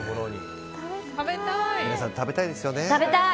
皆さん食べたいですよね？